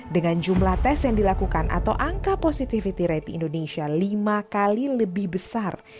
dengan jumlah tes yang dilakukan atau angka positivity rate indonesia lima kali lebih besar